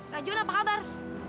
gajun apa kabar